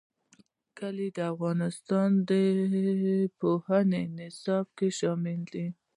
کلي د افغانستان د پوهنې په نصاب کې دي.